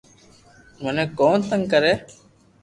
مني ڪون تنگ ڪري